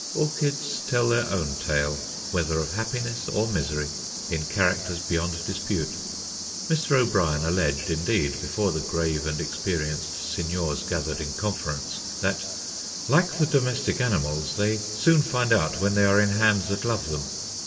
Orchids tell their own tale, whether of happiness or misery, in characters beyond dispute. Mr. O'Brien alleged, indeed, before the grave and experienced signors gathered in conference, that "like the domestic animals, they soon find out when they are in hands that love them.